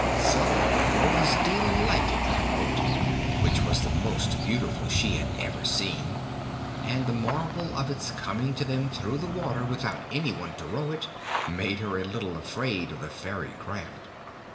Zella was delighted with the boat, which was the most beautiful she had ever seen, and the marvel of its coming to them through the water without anyone to row it, made her a little afraid of the fairy craft.